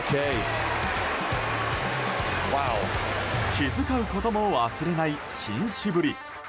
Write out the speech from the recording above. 気遣うことも忘れない紳士ぶり。